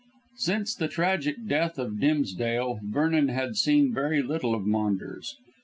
Since the tragic death of Dimsdale, Vernon had seen very little of Maunders.